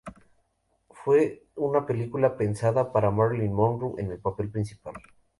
Fue una película pensada para Marilyn Monroe en el papel principal.